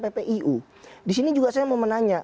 ppiu di sini juga saya mau menanya